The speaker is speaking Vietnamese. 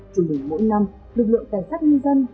chủ nghĩa mỗi năm lực lượng cảnh sát nhân dân